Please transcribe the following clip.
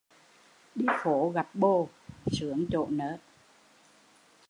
Đi phố gặp bồ, sướng chỗ nớ